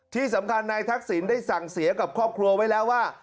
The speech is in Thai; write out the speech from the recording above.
ที่สำคัญนายทักษิณได้สั่งเสียกับครอบครัวไว้แล้วว่า